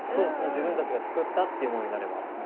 自分たちが作ったっていうものになれば。